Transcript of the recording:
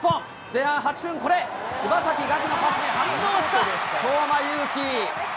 前半８分、これ、柴崎岳のパスに反応した相馬勇紀。